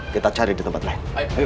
kita cari di tempat lain